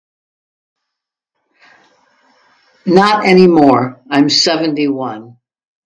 Not anymore, I'm seventy-one.